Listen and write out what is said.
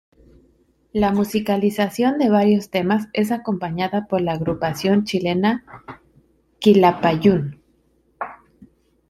La musicalización de varios temas es acompañada por la agrupación chilena Quilapayún.